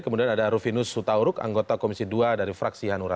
kemudian ada rufinus sutauruk anggota komisi dua dari fraksi hanura